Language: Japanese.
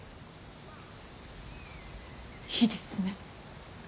いいですね。